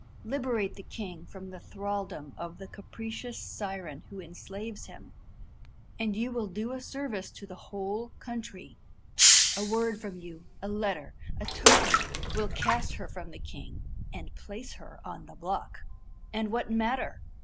Liberate the king from the thraldom of the capricious siren who enslaves him, and you will do a service to the whole country. A word from you a letter a token will cast her from the king, and place her on the block. And what matter?